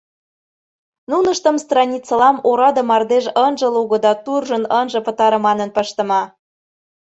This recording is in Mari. Нуныштым страницылам ораде мардеж ынже луго да туржын ынже пытаре манын пыштыме.